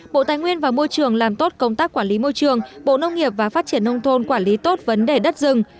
bộ tài nguyên và môi trường làm tốt công tác quản lý môi trường bộ nông nghiệp và phát triển nông thôn quản lý tốt vấn đề đất rừng